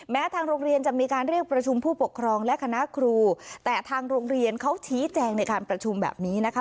ทางโรงเรียนจะมีการเรียกประชุมผู้ปกครองและคณะครูแต่ทางโรงเรียนเขาชี้แจงในการประชุมแบบนี้นะคะ